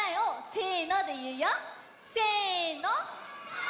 せの！